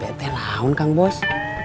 ini perjuangan kang bos